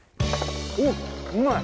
おっうまい！